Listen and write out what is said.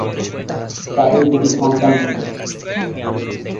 তাদের দুটি সন্তান ছিল।